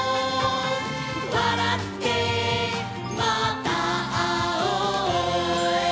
「わらってまたあおう」